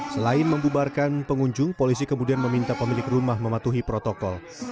selain membubarkan pengunjung polisi kemudian meminta pemilik rumah mematuhi protokol